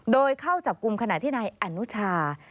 โดยเข้าจับกลุ่มขณะที่นายอนุชา